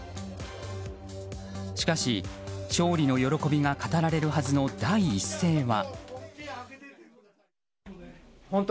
しかし、勝利の喜びが語られるはずの第一声は。